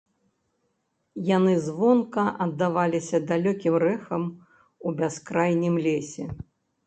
Яны звонка аддаваліся далёкім рэхам у бяскрайнім лесе.